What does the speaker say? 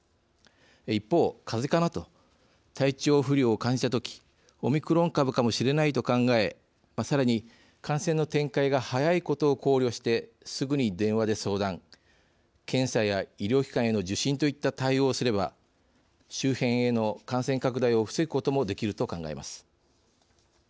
一方、「かぜかな？」と体調不良を感じたときオミクロン株かもしれないと考えさらに感染の展開がはやいことを考慮して、すぐに電話で相談検査や医療機関への受診といった対応をすれば周辺への感染拡大を防ぐこともできると考えます。